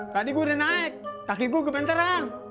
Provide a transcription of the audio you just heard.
tadi gua udah naik taki gua kebentarang